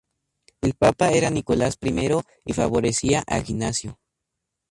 El Papa era Nicolás I, y favorecía a Ignacio.